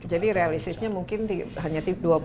jadi realisisnya mungkin hanya